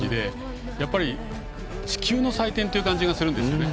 やっぱり地球の祭典って感じがするんですよね。